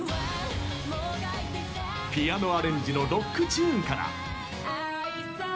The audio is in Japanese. ピアノアレンジのロックチューンから。